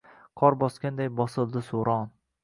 Qor bosganday bosildi suron.